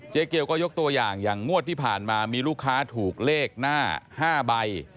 เกลก็ยกตัวอย่างอย่างงวดที่ผ่านมามีลูกค้าถูกเลขหน้า๕ใบ